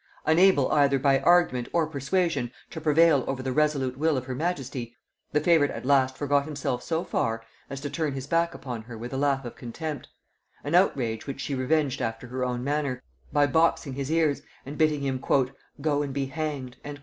Unable either by argument or persuasion to prevail over the resolute will of her majesty, the favorite at last forgot himself so far as to turn his back upon her with a laugh of contempt; an outrage which she revenged after her own manner, by boxing his ears and bidding him "Go and be hanged."